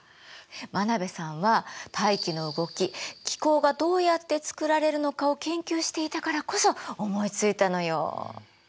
真鍋さんは大気の動き気候がどうやってつくられるのかを研究していたからこそ思いついたのよ。